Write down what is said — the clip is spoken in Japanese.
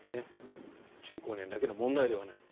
中高年だけの問題ではない。